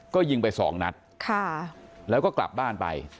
ก็ยิงไปสองนัดแล้วก็กลับบ้านไป